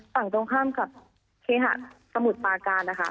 ฝั่งตรงข้ามกับเคหะสมุทรปาการนะคะ